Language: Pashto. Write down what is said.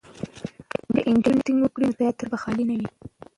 که نجونې اکټینګ وکړي نو تیاتر به خالي نه وي.